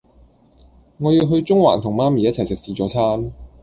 我要去中環同媽咪一齊食自助餐